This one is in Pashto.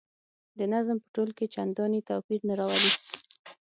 د نظم په تول کې چنداني توپیر نه راولي.